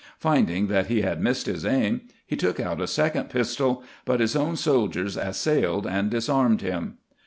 Finding that he had missed his aim, he took out a second pistol ; but his own soldiers assailed and disarmed him.